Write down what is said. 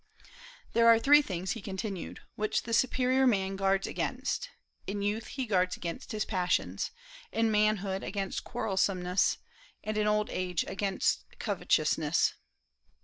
"There are three things," he continued, "which the superior man guards against: In youth he guards against his passions, in manhood against quarrelsomeness, and in old age against covetousness."